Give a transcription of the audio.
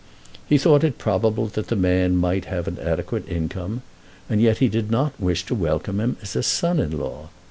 He thought it probable that the man might have an adequate income, and yet he did not wish to welcome him as a son in law.